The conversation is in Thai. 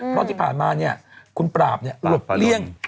เพราะที่ผ่านมาคุณปราบหลบเลี่ยง